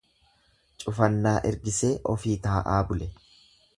Cufannaa ergisee ofii taa'aa bule.